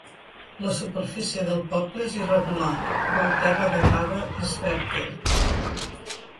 La superfície del poble és irregular, però el terra de grava és fèrtil.